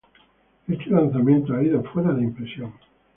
Este lanzamiento ha ido fuera de impresión.